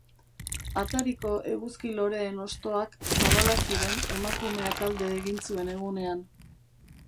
Atariko eguzki loreen hostoak zabalak ziren emakumeak alde egin zuen egunean.